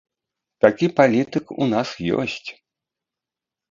Такі палітык у нас ёсць!